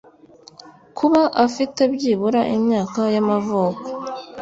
Kuba afite byibura imyaka y amavuko